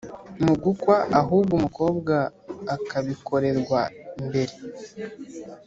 no gukwa, ahubwo umukobwa akabikorerwa mbere